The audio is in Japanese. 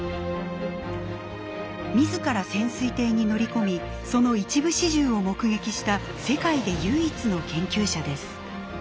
自ら潜水艇に乗り込みその一部始終を目撃した世界で唯一の研究者です。